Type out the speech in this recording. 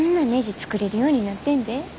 作れるようになってんで。